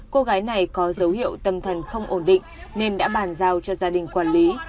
cô gái này có dấu hiệu tâm thần không ổn định nên đã bàn giao cho gia đình quản lý